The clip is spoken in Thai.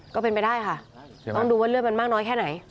ก็เป็นไปได้ค่ะต้องดูว่าเลือดมันมากน้อยแค่ไหน